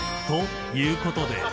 ［ということで］